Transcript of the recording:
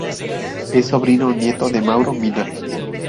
Es sobrino nieto de Mauro Mina.